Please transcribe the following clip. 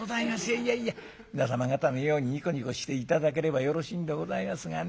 いやいや皆様方のようにニコニコして頂ければよろしいんでございますがね